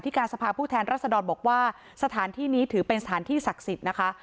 การสภาพผู้แทนรัศดรบอกว่าสถานที่นี้ถือเป็นสถานที่ศักดิ์สิทธิ์นะคะ